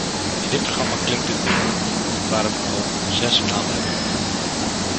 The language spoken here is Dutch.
In dit programma klinkt de door, waarop ik al zes maanden heb gewacht.